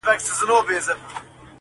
o په سپکو سپکتيا، په درنو درنتيا٫